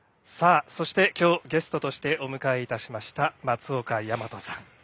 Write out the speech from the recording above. きょうゲストとしてお迎えいたしました松岡大和さん。